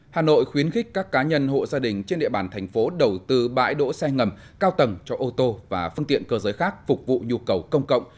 hà nội khuyến khích các cá nhân hộ gia đình trên địa bàn thành phố đầu tư bãi đỗ xe ngầm cao tầng cho ô tô và phương tiện cơ giới khác phục vụ nhu cầu công cộng